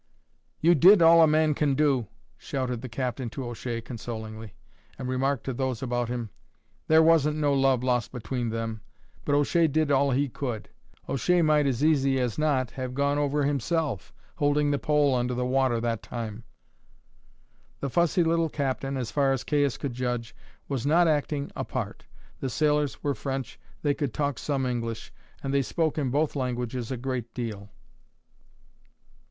"You did all a man could do," shouted the captain to O'Shea consolingly, and remarked to those about him: "There wasn't no love lost between them, but O'Shea did all he could. O'Shea might as easy as not have gone over himself, holding the pole under water that time." The fussy little captain, as far as Caius could judge, was not acting a part. The sailors were French; they could talk some English; and they spoke in both languages a great deal.